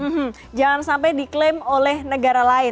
hmm jangan sampai diklaim oleh negara lain